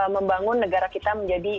membangun negara kita menjadi